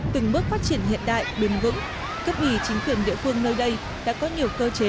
từng bước phát triển hiện đại đường vững các nghỉ chính quyền địa phương nơi đây đã có nhiều cơ chế